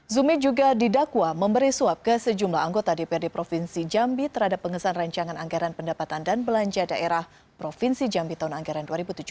zumi juga didakwa memberi suap ke sejumlah anggota dprd provinsi jambi terhadap pengesahan rancangan anggaran pendapatan dan belanja daerah provinsi jambi tahun anggaran dua ribu tujuh belas